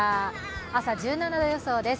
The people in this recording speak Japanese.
朝１７度予想です。